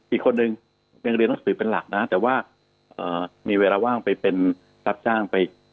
อีกคนหนึ่งเรียนเรียนหนังสือเป็นหลักนะแต่ว่ามีเวลาว่างไปรับจ้าง